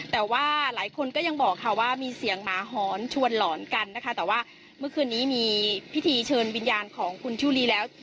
แต่ว่าหลายคนก็ยังบอกค่ะว่ามีเสียงหมาหอนชวนหลอนกันนะคะแต่ว่าเมื่อคืนนี้มีพิธีเชิญวิญญาณของคุณชูลีแล้ว